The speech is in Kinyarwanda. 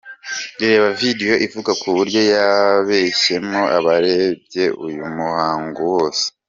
Reba video ivuga ku buryo yabeshyemo abarebye uyu muhango wose.